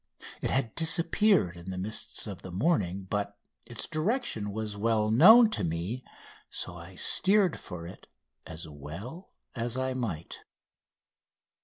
It had disappeared in the mists of the morning, but its direction was well known to me, so I steered for it as well as I might.